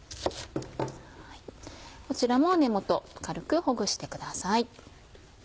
こちらも根元軽くほぐしてください。